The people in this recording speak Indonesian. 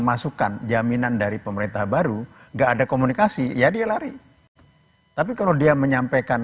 masukan jaminan dari pemerintah baru enggak ada komunikasi ya dia lari tapi kalau dia menyampaikan